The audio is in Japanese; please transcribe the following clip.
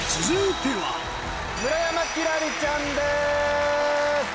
村山輝星ちゃんです。